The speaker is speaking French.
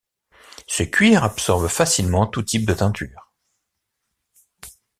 Ce cuir absorbe facilement tous types de teintures.